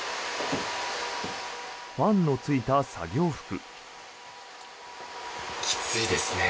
ファンのついた作業服。